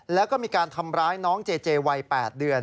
แล้วก็มีการทำร้ายน้องเจเจวัย๘เดือน